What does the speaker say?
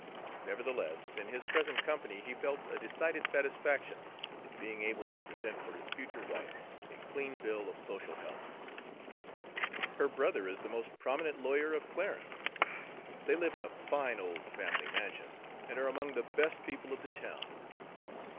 Nevertheless, in his present company he felt a decided satisfaction in being able to present for his future wife a clean bill of social health. "Her brother is the most prominent lawyer of Clarence. They live in a fine old family mansion, and are among the best people of the town."